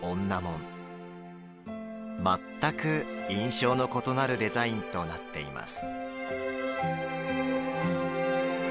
全く印象の異なるデザインとなっています。